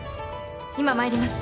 今参ります。